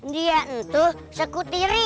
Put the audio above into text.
dia itu sekutiri